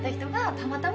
たまたま？